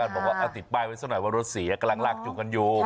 บอกว่าอธิบายไว้ว่าร่ดเสียกำลังลากจุ่มกันอยู่